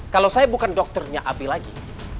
kalau saya bukan dokternya abi lagi